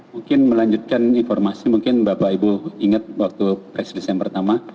mungkin melanjutkan informasi mungkin bapak ibu inget waktu presiden pertama